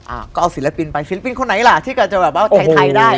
อ่าก็เอาสิริปินไปสิริปินคนไหนแหละที่จะแบบเราลงไทยได้